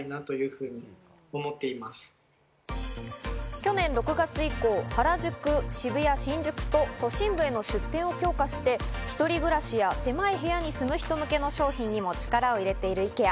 去年６月以降、原宿、渋谷、新宿と都心部への出店を強化して一人暮らしや狭い部屋に住む人向けの商品にも力を入れているイケア。